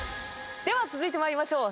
では続いて参りましょう。